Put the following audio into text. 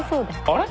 あれ？